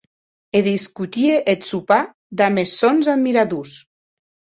E discutie eth sopar damb es sòns admiradors.